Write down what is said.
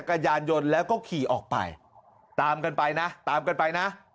กระยานยนต์แล้วก็ขี่ออกไปตามกันไปนะตามกันไปนะ